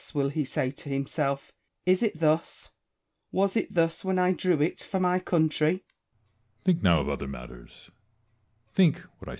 " will he say to himself, " is it thus ? was it thus when I drew it for my country V Edioard.